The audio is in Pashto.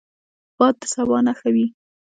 باد د سبا نښه وي